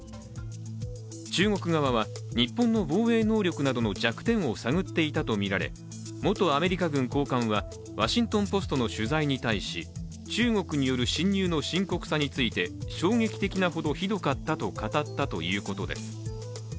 中国側は日本の防衛能力などの弱点を探っていたとみられ元アメリカ軍高官は「ワシントン・ポスト」紙の取材に対し、中国による侵入の深刻さについて衝撃的なほどひどかったと語ったということです。